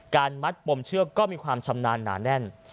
มัดปมเชือกก็มีความชำนาญหนาแน่น